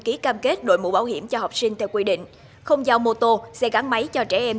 ký cam kết đội mũ bảo hiểm cho học sinh theo quy định không giao mô tô xe gắn máy cho trẻ em